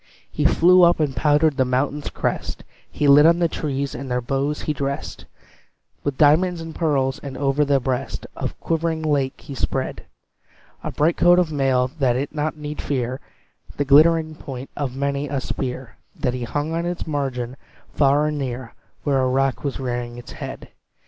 He flew up, and powdered the mountain's crest; He lit on the trees, and their boughs he dressed With diamonds and pearls; and over the breast Of the quivering lake he spread A bright coat of mail, that it need not fear The glittering point of many a spear That he hung on its margin, far and near, Where a rock was rearing its head.